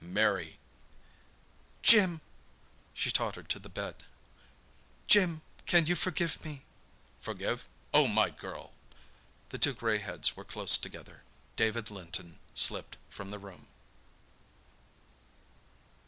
"Mary!" "Jim!" She tottered to the bed. "Jim—can you forgive me?" "Forgive—oh, my girl!" The two grey heads were close together. David Linton slipped from the room.